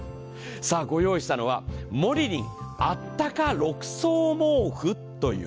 ご用意したのは、モリリンあったか６層毛布。